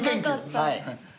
はい。